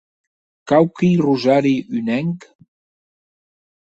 Quauqui rosari unenc?